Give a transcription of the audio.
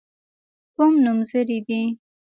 کوم نومځري دي.